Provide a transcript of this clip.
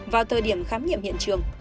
vào thời điểm khám nghiệm hiện trường